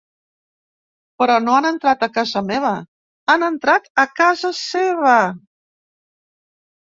Però no han entrat a casa meva, han entrat a casa seva.